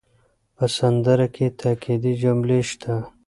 په سندره کې تاکېدي جملې شته.